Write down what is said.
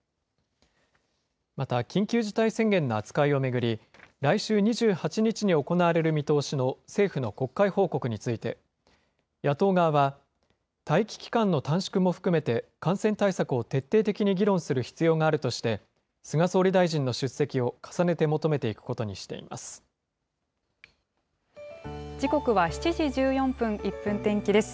また、緊急事態宣言の扱いを巡り、来週２８日に行われる見通しの政府の国会報告について、野党側は、待機期間の短縮も含めて、感染対策を徹底的に議論する必要があるとして、菅総理大臣の出席を重ねて求めていくことにしています。